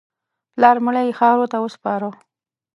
پلار مړی یې خاورو ته وسپاره.